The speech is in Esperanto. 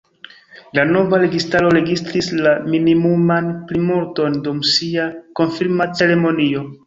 La nova registaro registris la minimuman plimulton dum sia konfirma ceremonio.